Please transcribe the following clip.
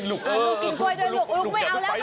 ลูกกินกล้วยด้วยลูกลูกไม่เอาแล้ว